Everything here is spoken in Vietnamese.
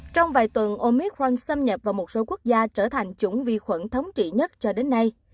trong vài tuần omitralk xâm nhập vào một số quốc gia trở thành chủng vi khuẩn thống trị nhất cho đến nay